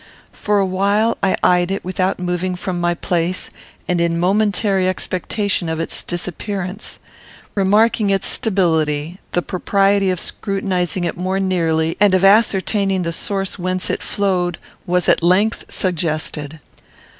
For a while I eyed it without moving from my place, and in momentary expectation of its disappearance. Remarking its stability, the propriety of scrutinizing it more nearly, and of ascertaining the source whence it flowed, was at length suggested.